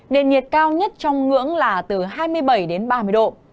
nền nhiệt cao nhất trong ngưỡng là từ hai mươi bảy đến ba mươi độ